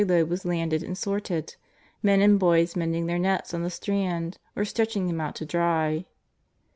139 load was landed and sorted, men and boys mending their nets on the strand or stretching them out to dry.